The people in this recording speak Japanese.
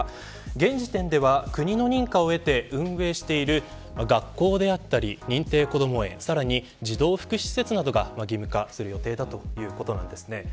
現時点では国の認可を得て運営している学校であったり認定子ども園、さらに児童福祉施設などが義務化する予定だということです。